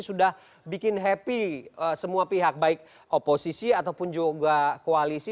sudah bikin happy semua pihak baik oposisi ataupun juga koalisi